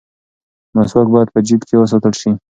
مسواک باید په جیب کې وساتل شي.